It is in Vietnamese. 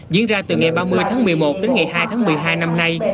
diễn ra từ ngày ba mươi tháng một mươi một đến ngày hai tháng một mươi hai năm nay